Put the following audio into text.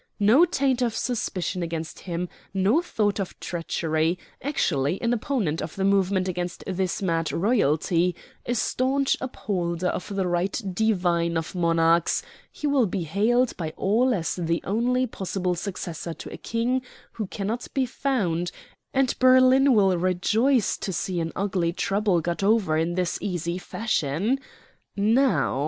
No taint of suspicion against him, no thought of treachery, actually an opponent of the movement against this mad royalty, a stanch upholder of the right divine of monarchs he will be hailed by all as the only possible successor to a King who cannot be found, and Berlin will rejoice to see an ugly trouble got over in this easy fashion. Now!"